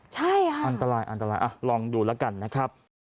ใช่ค่ะอันตรายอันตรายลองดูแล้วกันนะครับ